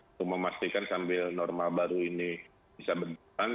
untuk memastikan sambil norma baru ini bisa berjalan